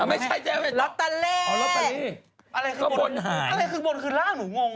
อ้าววฮะรถตะเล้ยยยยยยยอะไรคือบนหายคือล่างหนูงง